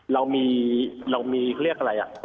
เรามีเรียกอะไรอ่ะ